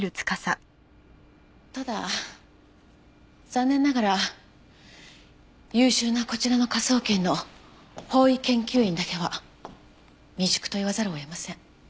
ただ残念ながら優秀なこちらの科捜研の法医研究員だけは未熟と言わざるを得ません。